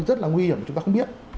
rất là nguy hiểm mà chúng ta không biết